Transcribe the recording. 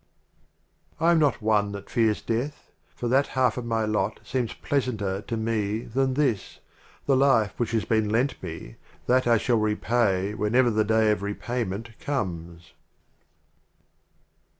XLIII A. I am not one that fears Death, For that half of my Lot seems pleasanter to me than this. The Life which has been lent me, that shall I repay Whenever the Day of Repayment comes.